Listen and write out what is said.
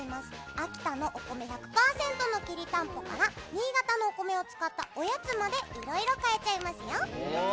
秋田のお米１００％のきりたんぽから新潟のお米を使ったおやつまでいろいろ買えちゃいますよ。